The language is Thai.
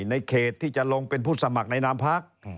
ในเขตที่จะลงเป็นผู้สมัครในนามพัก